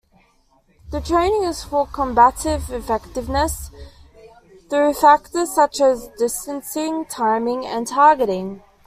The training is for combative effectiveness, through factors such as distancing, timing and targeting.